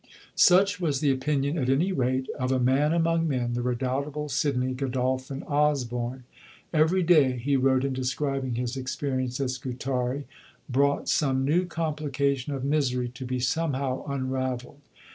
Such was the opinion, at any rate, of a man among men, the redoubtable Sydney Godolphin Osborne. "Every day," he wrote in describing his experience at Scutari, "brought some new complication of misery to be somehow unravelled.